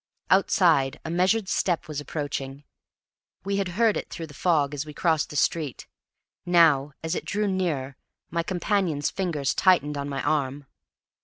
Outside, a measured step was approaching; we had heard it through the fog as we crossed the street; now, as it drew nearer, my companion's fingers tightened on my arm.